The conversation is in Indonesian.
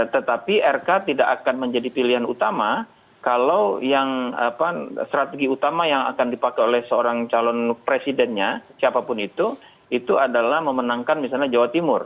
tetapi rk tidak akan menjadi pilihan utama kalau yang strategi utama yang akan dipakai oleh seorang calon presidennya siapapun itu itu adalah memenangkan misalnya jawa timur